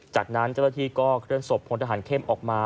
จากนั้นเจ้าหน้าที่ก็เคลื่อนศพพลทหารเข้มออกมา